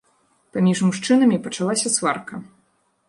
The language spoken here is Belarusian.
Паміж мужчынамі пачалася сварка.